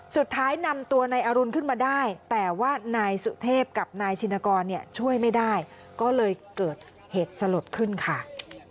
สุดท้ายนำตัวนายอรุณขึ้นมาได้แต่ว่านายสุเทพกับนายชินกรเนี่ยช่วยไม่ได้ก็เลยเกิดเหตุสลดขึ้นค่ะ